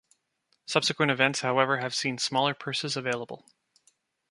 Subsequent events however have seen smaller purses available.